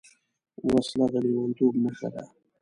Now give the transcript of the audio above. وسله د لېونتوب نښه ده